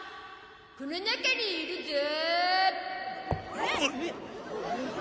この中にいるゾ！